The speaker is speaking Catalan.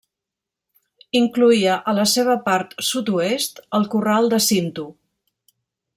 Incloïa, a la seva part sud-oest, el Corral de Cinto.